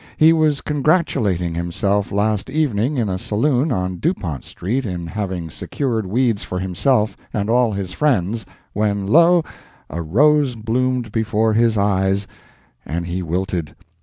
He was congratulating himself last evening in a saloon on Dupont street, in having secured weeds for himself and all his friends, when lo! a Rose bloomed before his eyes, and he wilted.